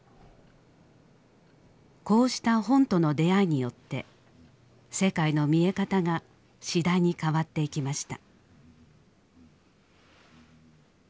こうした本との出会いによって世界の見え方が次第に変わっていきました。